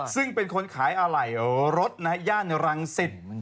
ซึ่งเป็นคนขายอาหร่อยรถในย่านรังสิต